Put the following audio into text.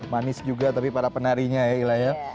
manis juga tapi para penarinya ya